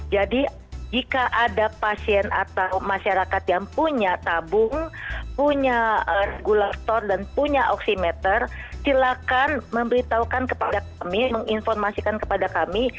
jadi jika ada pasien atau masyarakat yang punya tabung punya regulator dan punya oksimeter silakan memberitahukan kepada kami menginformasikan kepada kami